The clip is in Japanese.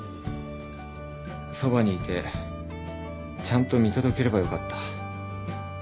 そばにいてちゃんと見届ければよかった。